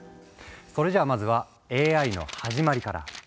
それじゃあまずはＡＩの始まりから。